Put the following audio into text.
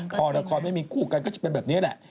พอละครไม่มีคู่กันก็จะเป็นแบบนี้แหละ